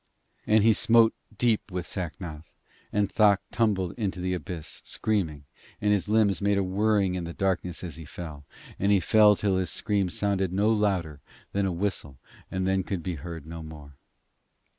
And he smote deep with Sacnoth, and Thok tumbled into the abyss, screaming, and his limbs made a whirring in the darkness as he fell, and he fell till his scream sounded no louder than a whistle and then could be heard no more.